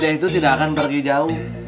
dia itu tidak akan pergi jauh